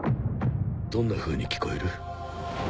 どんなふうに聞こえる？